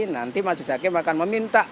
nanti mas jisaki akan meminta